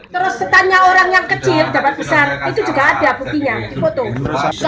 terus standnya orang yang kecil dapat besar itu juga ada buktinya di foto